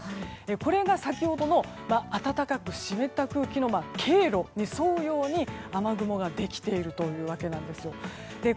これが先ほどの暖かく湿った空気の経路に沿うように雨雲ができているというわけです。